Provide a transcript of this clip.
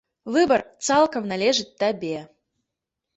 Выбар цалкам належыць табе.